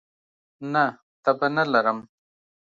نه، تبه نه لرم